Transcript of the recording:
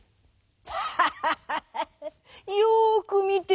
「ハハハハハハ！よくみておれ」。